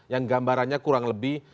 yang gambarannya kurang lebih